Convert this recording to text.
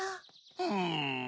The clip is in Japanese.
うん。